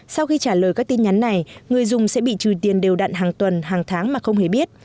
sau khi trả lời các tin nhắn này người dùng sẽ bị trừ tiền đều đặn hàng tuần hàng tháng mà không hề biết